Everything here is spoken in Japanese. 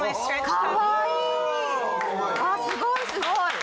すごいすごい！